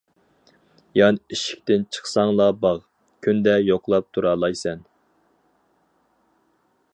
يان ئىشىكتىن چىقساڭلا باغ، كۈندە يوقلاپ تۇرالايسەن.